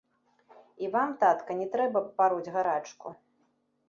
І вам, татка, не трэба б пароць гарачку.